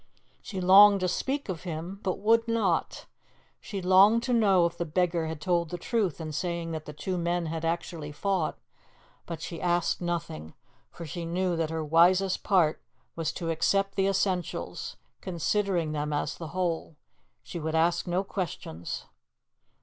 She longed to speak of him, but would not; she longed to know if the beggar had told the truth in saying that the two men had actually fought, but she asked nothing, for she knew that her wisest part was to accept the essentials, considering them as the whole. She would ask no questions.